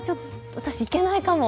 私、行けないかも。